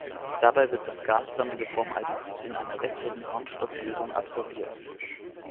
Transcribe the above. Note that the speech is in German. Dabei wird das gasförmige Formaldehyd in einer wässrigen Harnstoff-Lösung absorbiert.